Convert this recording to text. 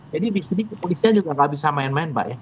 jadi di sini kepolisian juga tidak bisa main main mbak ya